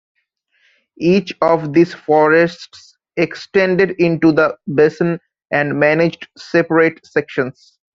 Each of these forests extended into the basin and managed separate sections.